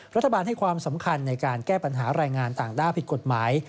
รัฐบาลให้ความสำคัญในการแก้ปัญหาแรงงานต่างด้าวผิดกฎหมาย